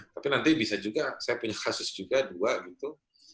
tapi nanti bisa juga saya punya kasus juga dua gitu